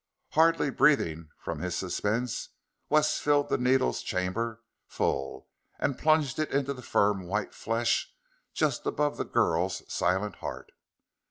Hardly breathing from his suspense, Wes filled the needle's chamber full and plunged it into the firm white flesh just above the girl's silent heart.